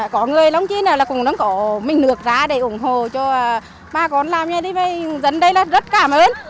có người lông chí nào là cũng có mình nước ra để ủng hộ cho bà con làm như thế này dân đây là rất cảm ơn